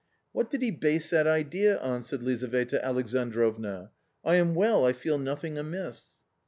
"What did he base that idea on?" said Lizaveta Alexandrovna ;" I am well, I feel nothing amiss